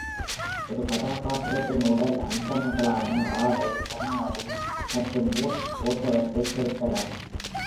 ஒரு கதாபாத்திரத்தின் உடல் அம்சங்களான ஆடை, கண்ணாடி மற்றும் பூட்ஸ் போன்றவற்றைத் திருத்தலாம்.